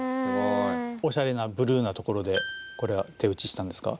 おしゃれなブルーな所でこれは手打ちしたんですか？